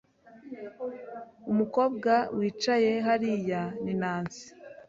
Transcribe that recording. Umukobwa wicaye hariya ni Nancy.